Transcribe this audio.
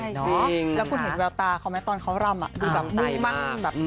ใช่สิแล้วคุณเห็นแววตาเขาไหมตอนเขารำดูแบบมุ่งมั่นแบบ